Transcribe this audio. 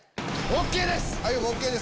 ＯＫです！